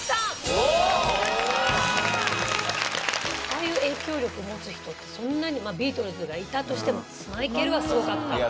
ああいう影響力を持つ人ってそんなにビートルズがいたとしてもマイケルはすごかった。